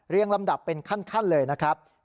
ลำดับเป็นขั้นเลยนะครับ